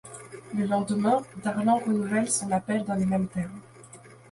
Le lendemain, Darlan renouvelle son appel dans les mêmes termes.